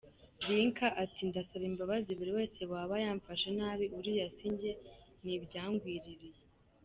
Lynka ati "Ndasaba imbabazi buri wese waba yamfashe nabi uriya sinjye ni ibyangwiririye.